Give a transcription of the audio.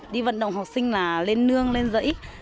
đi vận động học sinh là lên nương lên giấy